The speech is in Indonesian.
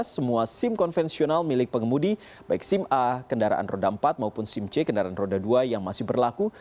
semua sim konvensional milik pengemudi baik sim a kendaraan roda empat maupun sim c kendaraan roda dua yang masih berlaku